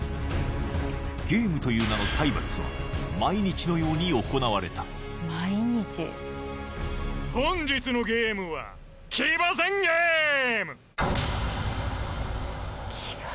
ゲームという名の体罰は毎日のように行われた本日のゲームは騎馬戦ゲーム！